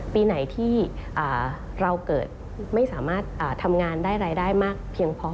ปีไหนที่เราเกิดไม่สามารถทำงานได้รายได้มากเพียงพอ